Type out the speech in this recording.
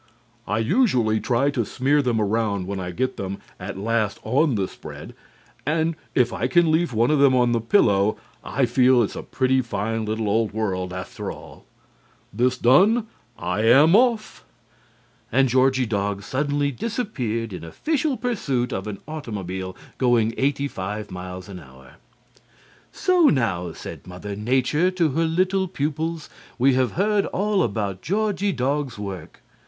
I usually try to smear them around when I get them at last on the spread, and if I can leave one of them on the pillow, I feel that it's a pretty fine little old world, after all. This done, and I am off." And Georgie Dog suddenly disappeared in official pursuit of an automobile going eighty five miles an hour. "So now," said Mother Nature to her little pupils, "we have heard all about Georgie Dog's work.